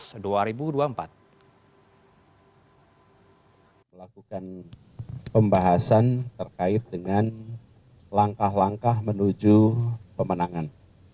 saya melakukan pembahasan terkait dengan langkah langkah menuju pemenangan